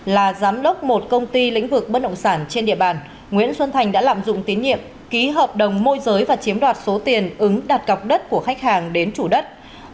là giám đốc một công ty lĩnh vực bất động sản trên địa bàn nguyễn xuân thành đã lạm dụng tín nhiệm ký hợp đồng môi giới và chiếm đoạt số tiền ứng đặt gọc đất của khách hàng đến chủ đất